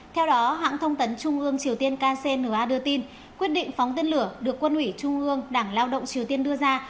theo đó hãng thông tấn trung ương triều tiên kcna đưa tin quyết định phóng tên lửa được quân ủy trung ương đảng lao động triều tiên đưa ra